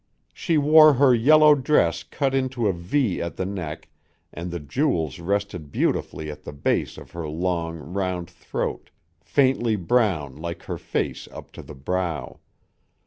She wore her yellow dress cut into a V at the neck and the jewels rested beautifully at the base of her long, round throat, faintly brown like her face up to the brow.